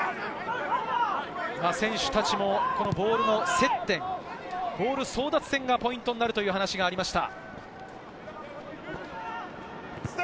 選手たちもボールの接点、ボール争奪戦がポイントになるという話がありました。